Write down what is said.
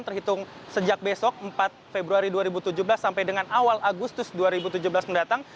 terhitung sejak besok empat februari dua ribu tujuh belas sampai dengan awal agustus dua ribu tujuh belas mendatang